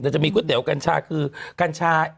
เดี๋ยวจะมีก๋วยเต๋วกัญชาคือกัญชา